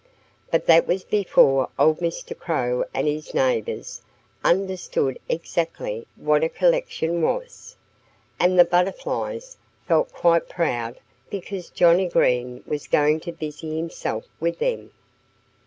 But that was before old Mr. Crow and his neighbors understood exactly what a collection was. And the Butterflies felt quite proud because Johnnie Green was going to busy himself with them.